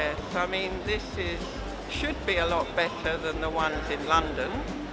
maksud saya ini harus lebih baik dari yang ada di london